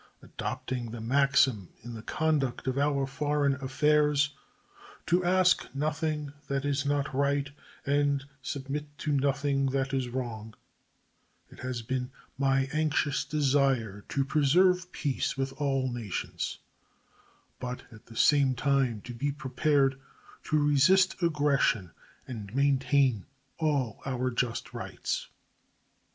Adopting the maxim in the conduct of our foreign affairs "to ask nothing that is not right and submit to nothing that is wrong," it has been my anxious desire to preserve peace with all nations, but at the same time to be prepared to resist aggression and maintain all our just rights.